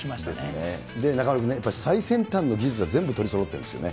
で、中丸君ね、最先端の技術が全部取りそろってるんですよね。